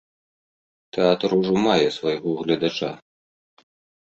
Тэатр ужо мае свайго гледача.